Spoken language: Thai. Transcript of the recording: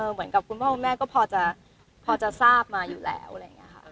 เหมือนกับคุณพ่อแม่ก็พอจะทราบมาอยู่แล้วอะไรอย่างนี้ค่ะ